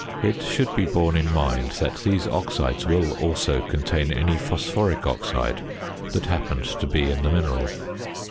It should be borne in mind that these oxides will also contain any phosphoric oxide that happened to be in the mineral.